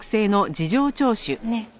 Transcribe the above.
ねっ。